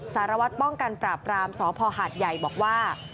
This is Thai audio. สารวัตรป้องกันปราบรามสพหาดใหญ่บอกว่า